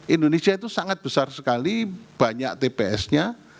indonesia itu sangat besar sekali banyak tps nya